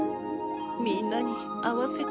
みんなに合わせて。